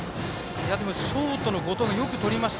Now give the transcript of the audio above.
ショートの後藤がよくとりました。